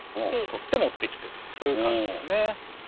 取って持ってきてるってそういう感じですね。